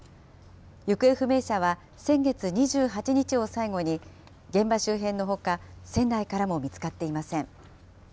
行方不明者は先月２８日を最後に、現場周辺のほか、船内からも見つかっていません。